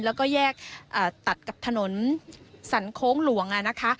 แล้วก็แยกตัดกับถนนสรรโค้งหลวงนะคะ